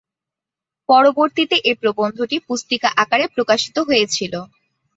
পরবর্তীতে এ প্রবন্ধটি পুস্তিকা আকারে প্রকাশিত হয়েছিল।